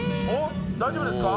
大丈夫ですか？